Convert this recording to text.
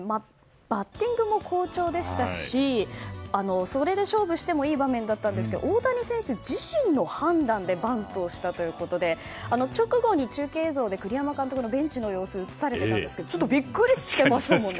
バッティングも好調でしたしそれで勝負してもいい場面だったんですが大谷選手自身の判断でバントをしたということで直後に中継映像で栗山監督のベンチの様子が映されていたんですけどビックリしていましたよね。